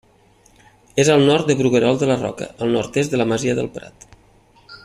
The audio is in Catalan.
És al nord del Bruguerol de la Roca, al nord-est de la masia del Prat.